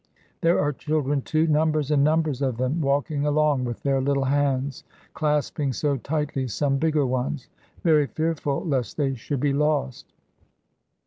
There are children, too, numbers and numbers of them, walking along, with their little hands clasping so tightly some bigger ones, very fearful lest they should be lost.